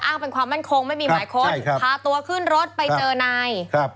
อ้างเป็นความมั่นคงไม่มีหมายความพาตัวขึ้นรถไปเจอนาย